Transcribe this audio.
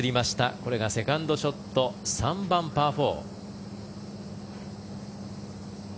これがセカンドショット３番、パー４。